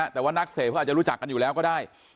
แต่ว่านักเสพเขาอาจจะรู้จักกันอยู่แล้วก็ได้